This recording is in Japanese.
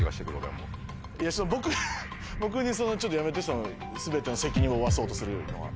僕にちょっとやめて全ての責任を負わそうとするのは。